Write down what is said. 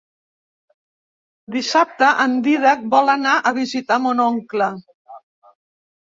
Dissabte en Dídac vol anar a visitar mon oncle.